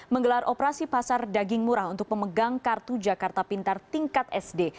menggelar operasi pasar daging murah untuk memegang kartu jakarta pintar tingkat sd